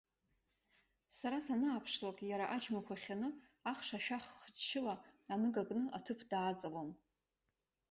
Сара санааԥшлак, иара аџьмақәа хьаны, ахш ашәах хаччыла, аныга кны аҭыԥ дааҵалон.